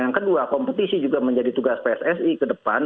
yang kedua kompetisi juga menjadi tugas pssi ke depan